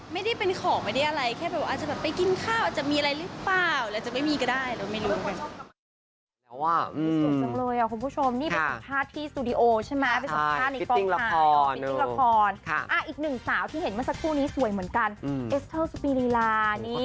ไม่ได้เป็นของไม่ได้อะไรแค่แบบว่าอาจจะแบบไปกินข้าวอาจจะมีอะไรหรือเปล่า